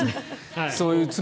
そういう罪。